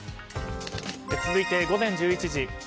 続いて午前１１時。